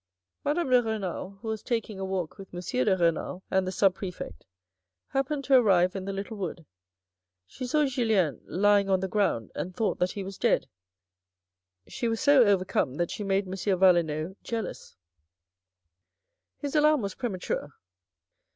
Madame de Renal, who was taking a walk with M. de R6nal and the sub prefect, happened to arrive in the little wood. She saw Julien lying on the ground and thought that he was dead. She was so overcome that she made M. Valenod jealous. His alarm was premature.